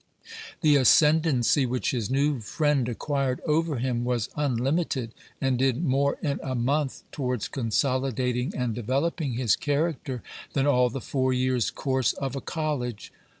The ascendency which his new friend acquired over him was unlimited, and did more in a month towards consolidating and developing his character than all the four years' course of a college.